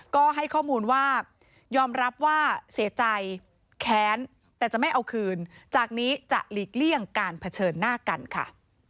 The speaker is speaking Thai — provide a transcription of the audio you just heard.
ก็ให้ข้อมูลว่ายอมรับว่าเสียใจแค้นแต่จะไม่เอาคืนจากนี้จะหลีกเลี่ยงการเผชิญหน้ากันค่ะ